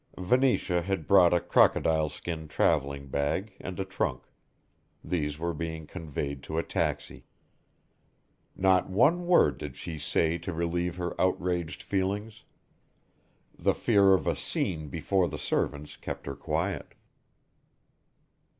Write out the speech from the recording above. Venetia had brought a crocodile skin travelling bag and a trunk. These were being conveyed to a taxi. Not one word did she say to relieve her outraged feelings. The fear of a "scene before the servants" kept her quiet.